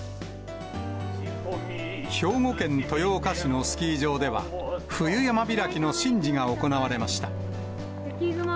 兵庫県豊岡市のスキー場では、冬山開きの神事が行われました。